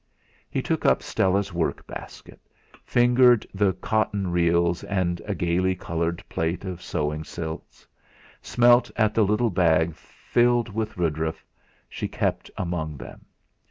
He took up Stella's work basket, fingered the cotton reels and a gaily coloured plait of sewing silks, smelt at the little bag filled with woodroffe she kept among them.